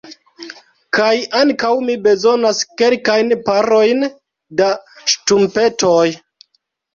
Kaj ankaŭ mi bezonas kelkajn parojn da ŝtrumpetoj.